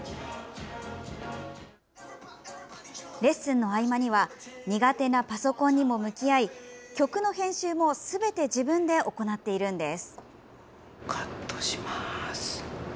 レッスンの合間には苦手なパソコンにも向き合い曲の編集もすべて自分で行っているんです。